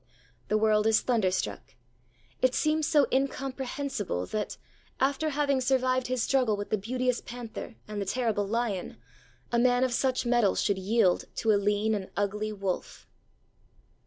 The world is thunderstruck. It seems so incomprehensible that, after having survived his struggle with the beauteous panther and the terrible lion, a man of such mettle should yield to a lean and ugly wolf!